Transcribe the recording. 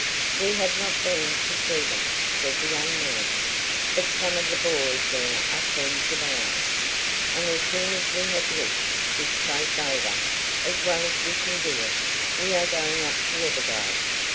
"We have not been to see them," said the young man, "but some of the boys there are friends of ours, and as soon as we have looked this place over, as well as we can do it, we are going up to Everglade.